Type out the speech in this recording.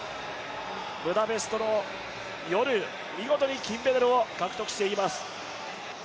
ブダペストの夜、見事に金メダルを獲得していきます。